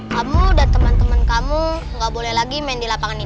kamu dan temen temen kamu nggak boleh lagi main di lapangan ini